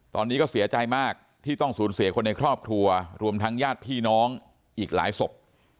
ตอนนี้ก็เสียใจมากที่ต้องสูญเสียคนในครอบครัวรวมทั้งญาติพี่น้องอีกหลายศพ